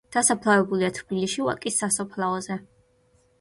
დასაფლავებულია თბილისში, ვაკის სასაფლაოზე.